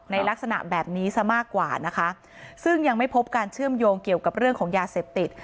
ลักษณะแบบนี้ซะมากกว่านะคะซึ่งยังไม่พบการเชื่อมโยงเกี่ยวกับเรื่องของยาเสพติด